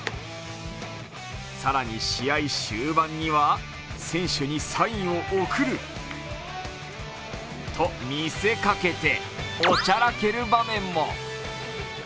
更に試合終盤には選手にサインを送ると見せかけておちゃらける場面も。